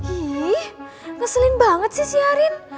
ih ngeselin banget sih si arin